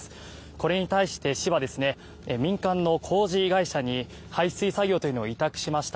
これに対して市は民間の工事会社に排水作業を委託しました。